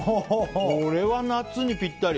これは夏にぴったり。